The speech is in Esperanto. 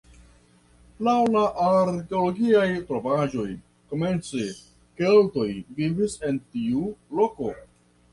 Laŭ la arkeologiaj trovaĵoj komence keltoj vivis en tiu loko.